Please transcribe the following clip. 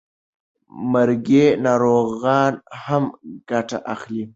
مرګي ناروغان هم ګټه اخلي.